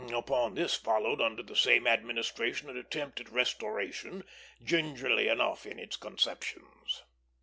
Upon this followed under the same administration an attempt at restoration, gingerly enough in its conceptions.